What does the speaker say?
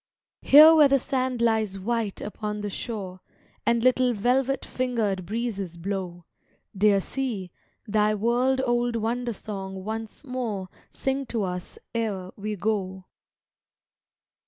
Here where the sand lies white upon the shore, And little velvet fingered breezes blow, Dear sea, thy world old wonder song once more Sing to us e'er we go.